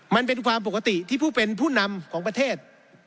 มันเป็นความปกติที่ผู้เป็นผู้นำของประเทศ